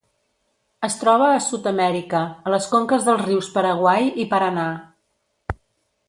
Es troba a Sud-amèrica, a les conques dels rius Paraguai i Paranà.